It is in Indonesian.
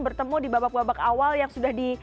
bertemu di babak babak awal yang sudah di